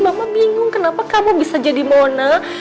mama bingung kenapa kamu bisa jadi mona